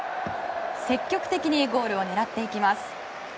積極的にゴールを狙っていきます。